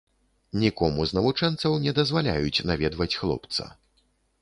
Нікому з навучэнцаў не дазваляюць наведваць хлопца.